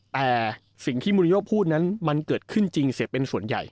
แต่สิ่งที่มูลิโอพูดนั้นมันเกิดขึ้นจริงเสียเป็นส่วนใหญ่